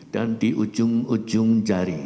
dan di ujung ujung jari